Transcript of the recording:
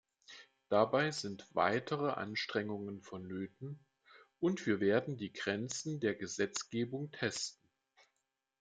Dabei sind weitere Anstrengungen vonnöten, und wir werden die Grenzen der Gesetzgebung testen.